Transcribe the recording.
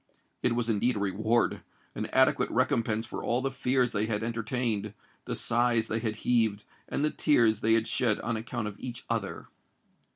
It was indeed a reward—an adequate recompense for all the fears they had entertained, the sighs they had heaved, and the tears they had shed on account of each other!